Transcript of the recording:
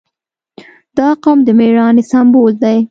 • دا قوم د مېړانې سمبول دی.